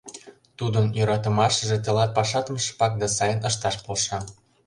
Тудын йӧратымашыже тылат пашатым шыпак да сайын ышташ полша.